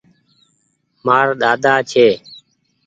مآر ۮاۮا ڇي۔